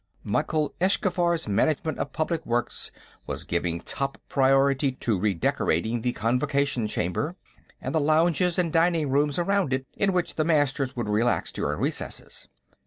Mykhyl Eschkhaffar's Management of Public Works was giving top priority to redecorating the Convocation Chamber and the lounges and dining rooms around it in which the Masters would relax during recesses.